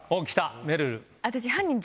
めるる。